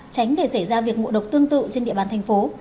tránh để xảy ra việc ngộ độc tương tự trên địa bàn tp